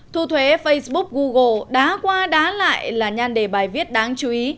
thu thuế facebook google đá qua đá lại là nhan đề bài viết đáng chú ý